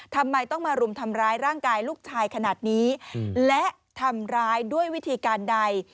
ทำไมต้องมารุมทำร้ายร่างกายลูกชายขนาดนี้และทำร้ายด้วยวิธีการใด